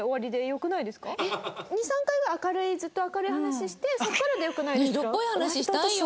２３回ぐらい明るいずっと明るい話してそこからでよくないですか？